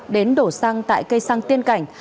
đến đổ xăng tại cây xăng tiên cảnh